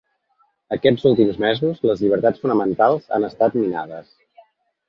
Aquests últims mesos, les llibertats fonamentals han estat minades.